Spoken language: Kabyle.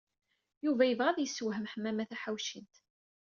Yuba yebɣa ad yessewhem Ḥemmama Taḥawcint.